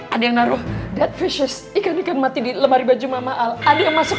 ada yang ngaruh dan fishers ikan ikan mati di lemari baju mama al ad yang masuk